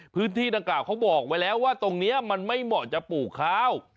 พื้นที่ดังกล่าวเขาบอกไว้แล้วว่าตรงนี้มันไม่เหมาะจะปลูกข้าว